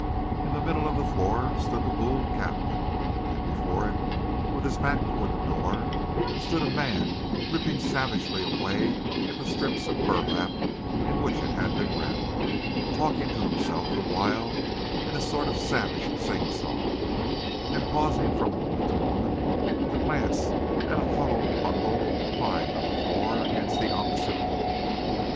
In the middle of the floor stood the Boule cabinet, and before it, with his back to the door, stood a man ripping savagely away the strips of burlap in which it had been wrapped, talking to himself the while in a sort of savage sing song, and pausing from moment to moment to glance at a huddled bundle lying on the floor against the opposite wall.